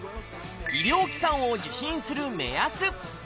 医療機関を受診する目安。